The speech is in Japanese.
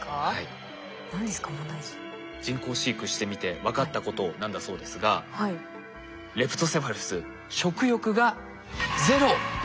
人工飼育してみて分かったことなんだそうですがレプトセファルス食欲がＺＥＲＯ。